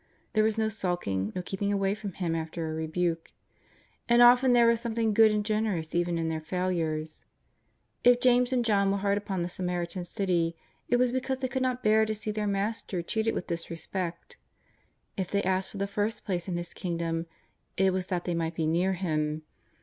There was no sulking, no keeping away from Him after a rebuke. And often there was something good and generous even in their failures. If James and John were hard upon the Samaritan city, it was because they could not bear to see their Master treated with dis respect. If they asked for the first places in His King dom, it was that they might be near Him.